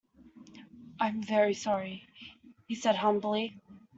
“I’m very sorry,” he said humbly.